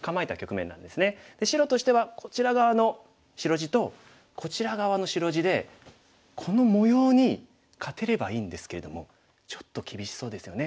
で白としてはこちら側の白地とこちら側の白地でこの模様に勝てればいいんですけれどもちょっと厳しそうですよね。